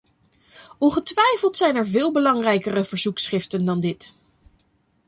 Ongetwijfeld zijn er veel belangrijkere verzoekschriften dan dit.